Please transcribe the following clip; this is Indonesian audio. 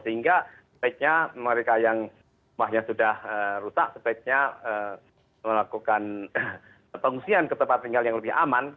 sehingga sebaiknya mereka yang rumahnya sudah rusak sebaiknya melakukan pengungsian ke tempat tinggal yang lebih aman